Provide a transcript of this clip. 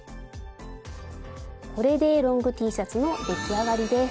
これでロングＴシャツの出来上がりです。